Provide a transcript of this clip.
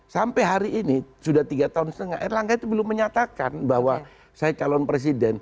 sampai hari ini sudah tiga tahun setengah erlangga itu belum menyatakan bahwa saya calon presiden